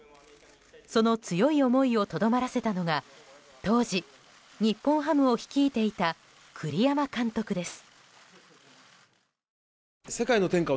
その強い思いをとどまらせたのが当時、日本ハムを率いていた栗山監督です。